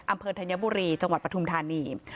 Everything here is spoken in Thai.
อำเภอธัญบุรีจังหวัดประธุมธานี